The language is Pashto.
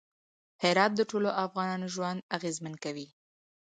هرات د ټولو افغانانو ژوند اغېزمن کوي.